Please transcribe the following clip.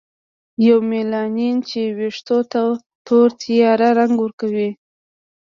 یومیلانین چې ویښتو ته تور تیاره رنګ ورکوي.